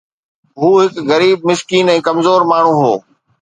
هو هڪ غريب مسڪين ۽ ڪمزور ماڻهو هو.